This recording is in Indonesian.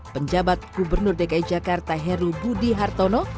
penjabat gubernur dki jakarta heru budi hartono